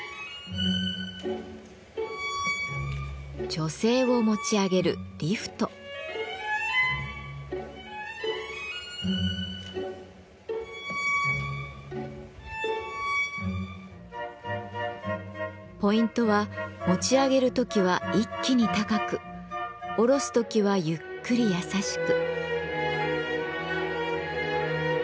女性を持ち上げるポイントは持ち上げる時は一気に高く下ろす時はゆっくり優しく。